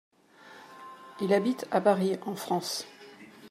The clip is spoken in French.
Il habite à Paris en France.